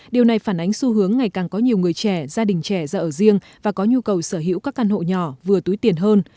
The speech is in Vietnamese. điều này phản ánh xu hướng ngày càng có nhiều người trẻ gia đình trẻ ra ở riêng và có nhu cầu sở hữu các căn hộ nhỏ vừa túi tiền hơn